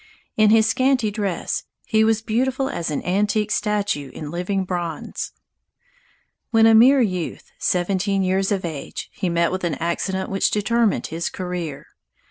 In his scanty dress, he was beautiful as an antique statue in living bronze. When a mere youth, seventeen years of age, he met with an accident which determined his career.